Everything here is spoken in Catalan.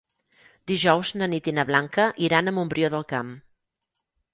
Dijous na Nit i na Blanca iran a Montbrió del Camp.